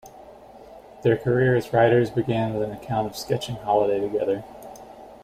Their career as writers began with an account of a sketching holiday together.